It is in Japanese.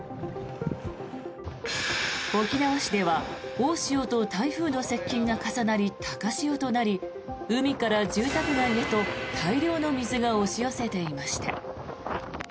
沖縄市では、大潮と台風の接近が重なり高潮となり海から住宅街へと大量の水が押し寄せていました。